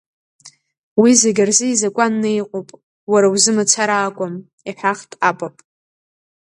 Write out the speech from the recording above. Уи зегьы рзы изакәанны иҟоуп, уара узы мацара акәым, иҳәахт апап.